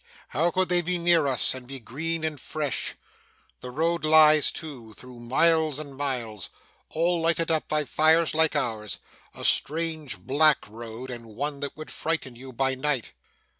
How could they be near us, and be green and fresh? The road lies, too, through miles and miles, all lighted up by fires like ours a strange black road, and one that would frighten you by night.